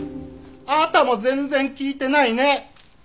あなたも全然聞いてないね！